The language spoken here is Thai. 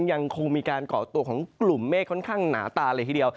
ยังคงมีการเกาะตัวของกลุ่มเมฆค่อนข้างหนาตาเลยทีเดียว